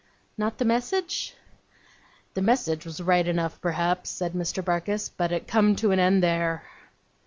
'Not the message?' 'The message was right enough, perhaps,' said Mr. Barkis; 'but it come to an end there.